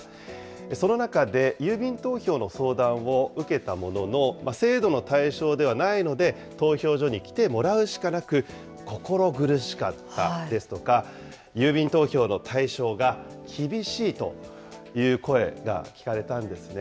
その中で、郵便投票の相談を受けたものの、制度の対象ではないので、投票所に来てもらうしかなく、心苦しかったですとか、郵便投票の対象が厳しいという声が聞かれたんですね。